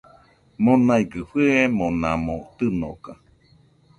Monaigɨ fɨemonamo tɨnoka